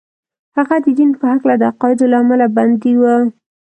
هغه د دين په هکله د عقايدو له امله بندي و.